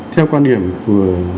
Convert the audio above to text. theo quan điểm của